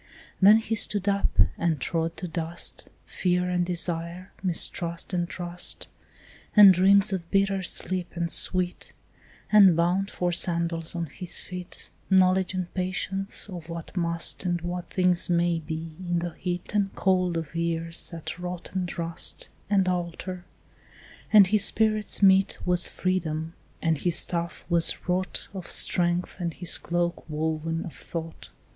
Then he stood up, and trod to dust Fear and desire, mistrust and trust, And dreams of bitter sleep and sweet, And bound for sandals on his feet Knowledge and patience of what must And what things may be, in the heat And cold of years that rot and rust And alter; and his spirit's meat Was freedom, and his staff was wrought Of strength, and his cloak woven of thought.